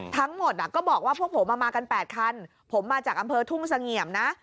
ทั้งหมดก็บอกว่าพวกผมมากัน๘คันผมมาจากอำเภอทุ่งเสงี่ยมนะ